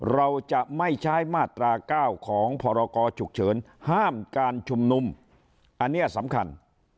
เราจะไม่ใช้มาตรา๙ของพรกรฉุกเฉินห้ามการชุมนุมอันนี้สำคัญ